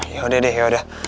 yaudah deh yaudah